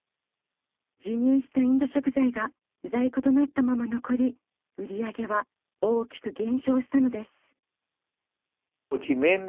輸入したインド食材が在庫となったまま残り売り上げは大きく減少したのです。